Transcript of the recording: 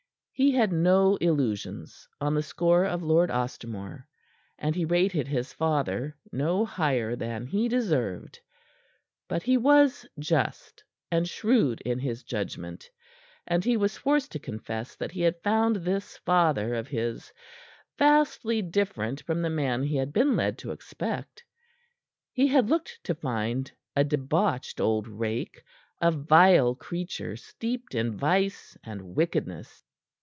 He had no illusions on the score of Lord Ostermore, and he rated his father no higher than he deserved. But he was just and shrewd in his judgment, and he was forced to confess that he had found this father of his vastly different from the man he had been led to expect. He had looked to find a debauched old rake, a vile creature steeped in vice and wickedness.